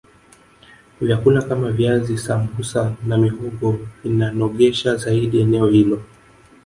vyakula Kama viazi sambusa na mihogo vinanogesha zaidi eneo hilo